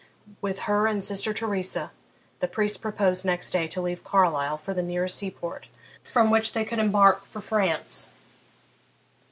With her and sister Theresa the priest proposed next day to leave Carlisle for the nearest seaport from which they could embark for France.